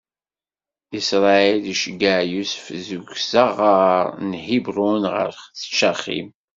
Isṛayil iceggeɛ Yusef seg uzaɣar n Ḥibṛun ɣer Caxim.